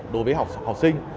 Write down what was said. đối với học sinh